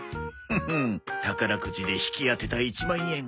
宝くじで引き当てた１万円。